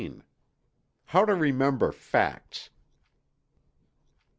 HOW TO REMEMBER FACTS.